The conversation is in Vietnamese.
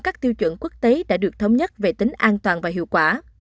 các tiêu chuẩn quốc tế đã được thống nhất về tính an toàn và hiệu quả